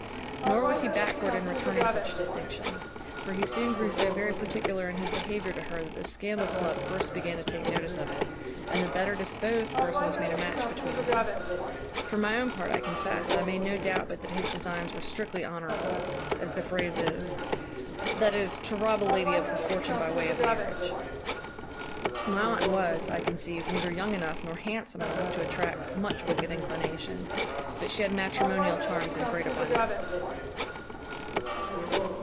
Nor was he backward in returning such distinction; for he soon grew so very particular in his behaviour to her, that the scandal club first began to take notice of it, and the better disposed persons made a match between them. For my own part, I confess, I made no doubt but that his designs were strictly honourable, as the phrase is; that is, to rob a lady of her fortune by way of marriage. My aunt was, I conceived, neither young enough nor handsome enough to attract much wicked inclination; but she had matrimonial charms in great abundance.